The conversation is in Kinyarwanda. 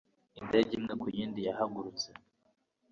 Indege imwe ku yindi yahagurutse